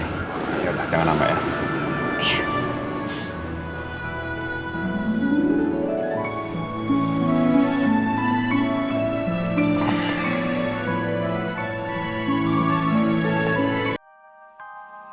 yaudah jangan lama ya